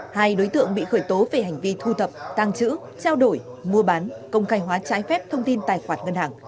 hai đối tượng bị khởi tố về hành vi thu thập tăng trữ trao đổi mua bán công khai hóa trái phép thông tin tài khoản ngân hàng